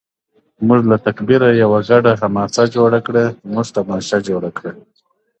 موږ له تکبیره یوه ګډه حماسه جوړه کړه ـ موږ تماشه جوړه کړه